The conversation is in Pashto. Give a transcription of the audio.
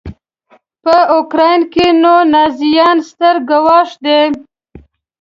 په اوکراین کې نوي نازیان ستر ګواښ دی.